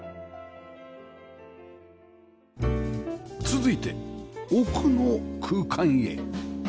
続いて奥の空間へ